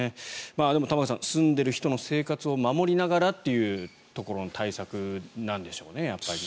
でも、玉川さん住んでる人の生活を守りながらっていうところの対策なんでしょうね。